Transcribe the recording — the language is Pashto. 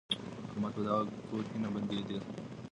احمد په دغه کور کي نه بېدېدی.